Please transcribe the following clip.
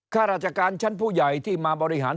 ข้าราชการชั้นผู้ใหญ่ที่มาบริหาร